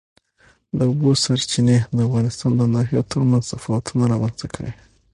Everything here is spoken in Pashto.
د اوبو سرچینې د افغانستان د ناحیو ترمنځ تفاوتونه رامنځ ته کوي.